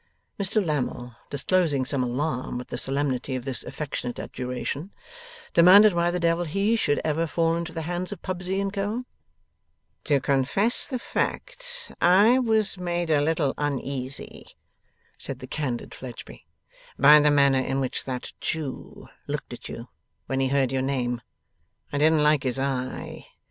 Mr Lammle, disclosing some alarm at the solemnity of this affectionate adjuration, demanded why the devil he ever should fall into the hands of Pubsey and Co.? 'To confess the fact, I was made a little uneasy,' said the candid Fledgeby, 'by the manner in which that Jew looked at you when he heard your name. I didn't like his eye.